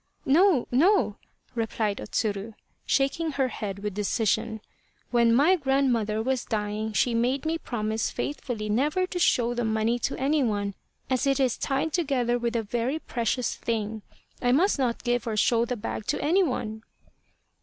" No, no !" replied O Tsuru, shaking her head with decision. " When my grandmother was dying she made me promise faithfully never to show the money to any one, as it is tied together with a very precious thing. I must not give or show the bag to any one."